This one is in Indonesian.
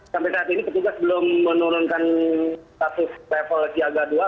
sampai saat ini petugas belum menurunkan status level siaga dua